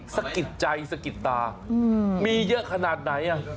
สะกิดใจสะกิดตามีเยอะขนาดไหน